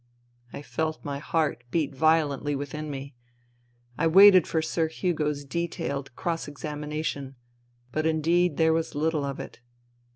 ...'" I felt my heart beat violently within me. I waited for Sir Hugo's detailed cross examination ; but indeed there was little of it.